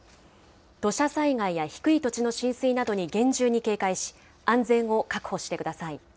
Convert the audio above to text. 土砂災害や低い土地の浸水などに厳重に警戒し、安全を確保してください。